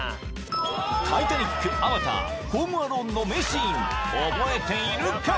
「タイタニック」「アバター」「ホーム・アローン」の名シーン覚えているか？